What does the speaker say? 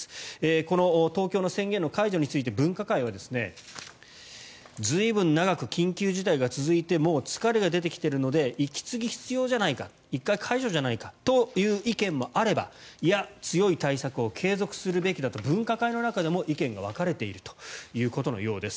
この東京の宣言の解除について分科会は随分長く緊急事態が続いて疲れが出てきているので息継ぎ、必要じゃないか１回解除じゃないかという意見もあればいや、強い対策を継続するべきだという分科会の中でも意見が分かれているということのようです。